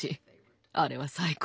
あれは最高。